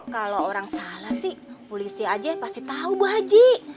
kalau orang salah sih polisi aja pasti tahu bu haji